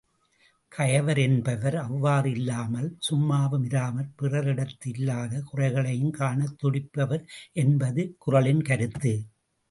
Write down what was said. கயவர் என்பவர் அவ்வாறு இல்லாமல், சும்மாவும் இராமற் பிறரிடத்து இல்லாத குறைகளையுங்காணத் துடிப்பவர் என்பது இக் குறளின் கருத்து.